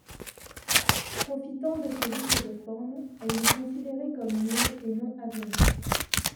Profitant de ce vice de forme, elle les considérait comme nuls et non avenus.